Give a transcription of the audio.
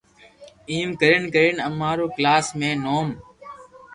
ايم ڪرين ڪرين امارو ڪلاس مي نوم